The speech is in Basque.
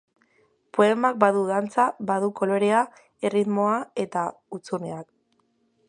Poemak badu dantza, badu kolorea, erritmoa eta hutsunea.